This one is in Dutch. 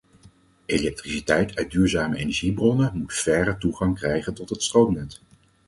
Elektriciteit uit duurzame energiebronnen moet faire toegang krijgen tot het stroomnet.